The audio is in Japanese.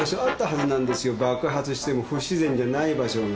爆発しても不自然じゃない場所が。